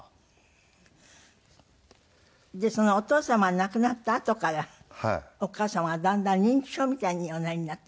そのお父様が亡くなったあとからお母様はだんだん認知症みたいにおなりになった？